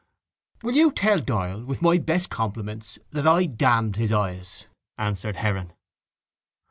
—Will you tell Doyle with my best compliments that I damned his eyes? answered Heron.